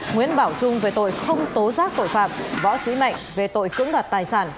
nguyễn bảo trung về tội không tố giác tội phạm võ sĩ mạnh về tội cưỡng đoạt tài sản